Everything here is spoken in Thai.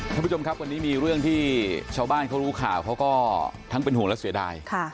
ท่านผู้ชมครับวันนี้มีเรื่องที่ชาวบ้านเขารู้ข่าวเขาก็ทั้งเป็นห่วงและเสียดาย